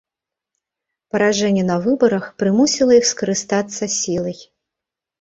Паражэнне на выбарах прымусіла іх скарыстацца сілай.